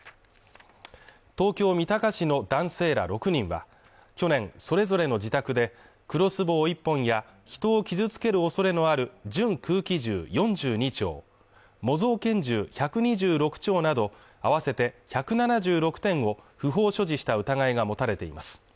東京三鷹市の男性ら６人は去年、それぞれの自宅で、クロスボウ１本や人を傷つける恐れのある準空気銃４２丁模造拳銃１２６丁など合わせて１７６点を不法所持した疑いが持たれています。